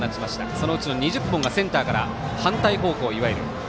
そのうちの２０本がセンターから反対方向、いわゆる。